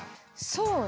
そうだね。